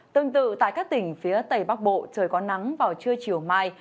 tương tự tại các tỉnh phía tây bắc bộ trời có nắng vào trưa chiều mai